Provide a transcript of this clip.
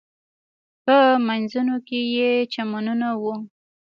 په مینځونو کې یې چمنونه و.